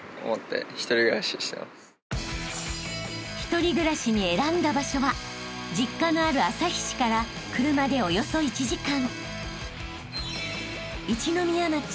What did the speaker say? ［１人暮らしに選んだ場所は実家のある旭市から車でおよそ１時間］